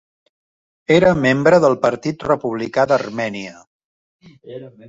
Era membre del Partit Republicà d'Armènia.